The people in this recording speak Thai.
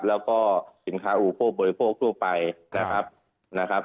แล้วก็สินค้าอูโภบริโภคทั่วไปนะครับ